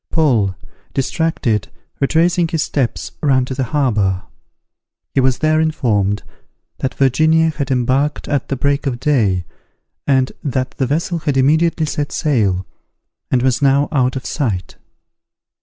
Paul, distracted, retracing his steps, ran to the harbour. He was there informed, that Virginia had embarked at the break of day, and that the vessel had immediately set sail, and was now out of sight.